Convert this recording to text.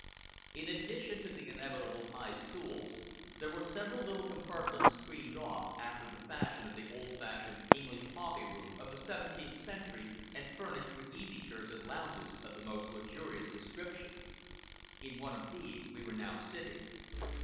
In addition to the inevitable high stools, there were several little compartments screened off, after the fashion of the old fashioned English coffee room of the seventeenth century, and furnished with easy chairs and lounges of the most luxurious description. In one of these we were now sitting.